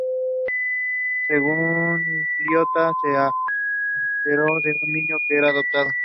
Según Liotta, se enteró de niño que era adoptado.